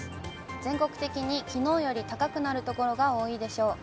全国的にきのうより高くなる所が多いでしょう。